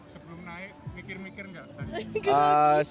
sebelum naik mikir mikir nggak tadi